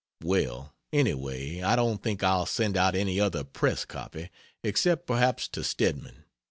Well, anyway I don't think I'll send out any other press copy except perhaps to Stedman.